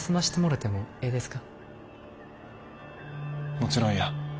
もちろんや。